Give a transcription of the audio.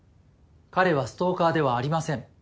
彼はストーカーではありません。